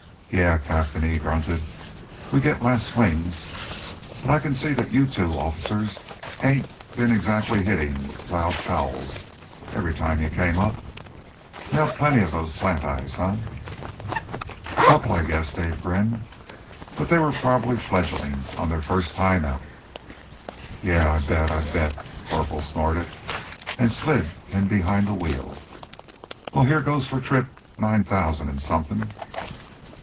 "Yeah, Captain," he grunted, "we get last swings. But I can see that you two officers ain't been exactly hitting loud fouls every time you came up. Nailed plenty of them slant eyes, huh?" "A couple, I guess," Dave grinned. "But they were probably fledglings on their first time out." "Yeah, I bet, I bet!" the corporal snorted, and slid in behind the wheel. "Well, here goes for trip nine thousand and something!"